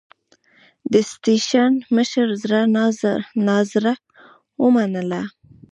د سټېشن مشر زړه نازړه ومنله.